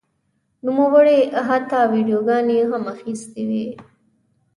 نوموړي حتی ویډیوګانې هم اخیستې وې.